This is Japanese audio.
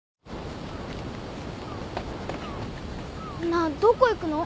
なあどこ行くの？